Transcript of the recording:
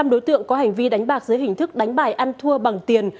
hai mươi năm đối tượng có hành vi đánh bạc dưới hình thức đánh bài ăn thua bằng tiền